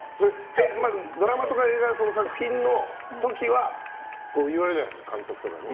ドラマとか映画の作品の時は言われるじゃないですか監督とかに。